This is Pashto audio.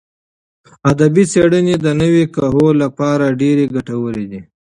ادبي څېړنې د نوي کهول لپاره ډېرې ګټورې دي.